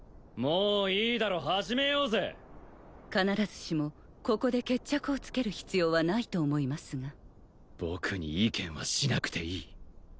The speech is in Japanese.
もういいだろ始めようぜ必ずしもここで決着をつける必要はないと思いますが僕に意見はしなくていい